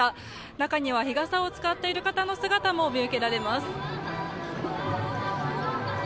中には日傘を使っている方の人の姿も見受けられます。